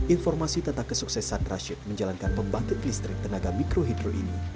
informasi tentang kesuksesan rashid menjalankan pembangkit listrik tenaga mikrohidro ini